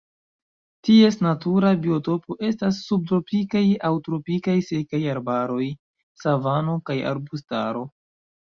Ties natura biotopo estas subtropikaj aŭ tropikaj sekaj arbaroj, savano kaj arbustaro.